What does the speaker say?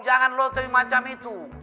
jangan lo coi macam itu